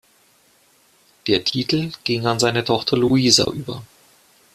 Der Titel ging an seine Tochter Luisa über.